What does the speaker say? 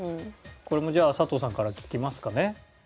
これもじゃあ佐藤さんから聴きますかね。